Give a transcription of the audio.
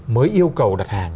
mới yêu cầu đặt hàng